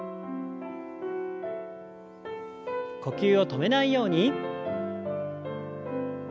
呼吸を止めないように。